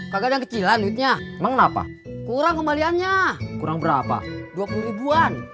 kagak kecil anginnya mengapa kurang kembaliannya kurang berapa dua puluh an